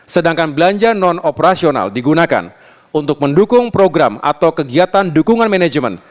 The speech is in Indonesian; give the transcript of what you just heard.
sedangkan belanja non operasional digunakan untuk mendukung program atau kegiatan dukungan manajemen